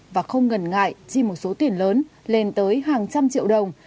và không ngần ngại chi một số tiền lớn lên tới hàng trăm triệu đồng